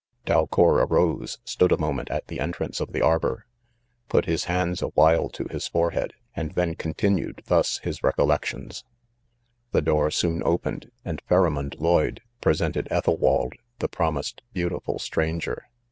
Dalcour arose, stood a moment at the entrance of the arbour, put his hands awhile to his fore head, and then continued thus his recollections: The door soon opened, and Pharamond Lloyd presented Ethelwald, the promised beau tiful stranger.